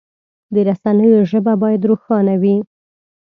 د رسنیو ژبه باید روښانه وي.